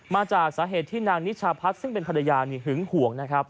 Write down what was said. มาจากสาเหตุที่นางนิชาพัฒน์ซึ่งเป็นภรรยานี่หึงห่วงนะครับ